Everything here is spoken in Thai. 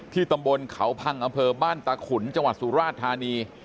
ตำบลเขาพังอำเภอบ้านตาขุนจังหวัดสุราชธานี